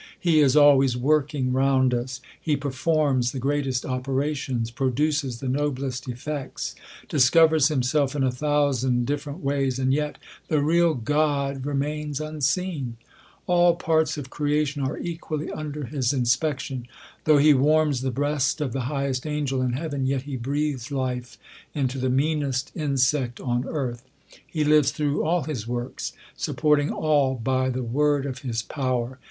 He is always working round us ;, he performs the greatest operations, produces the no I blest effects, discovers himself in a thousand different I ways, and yet the real GOD remains unseen. All parts of creation are equally under his inspection. I Though he warms the breast of the highest angel ia i heaven, yet he breathes life into the meanest insect on earth. He lives through all his works, supporting all j by the word of his power.